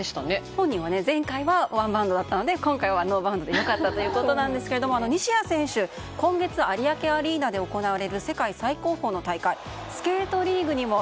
本人は前回はワンバウンドだったので今回はノーバウンドで良かったということなんですけれども西矢選手、今月有明アリーナで行われる世界最高峰の大会